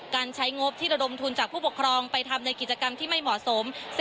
การใช้งบที่ระดมทุนจากผู้ปกครองไปทำในกิจกรรมที่ไม่เหมาะสม